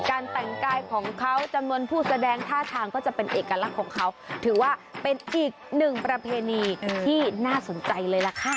การแปลงกายของเขาจำนวนผู้แสดงท่าทางจะเป็นเอกลักษณ์ต่อเป็นอีกหนึ่งประเพณีที่น่าสนใจเลยนะคะ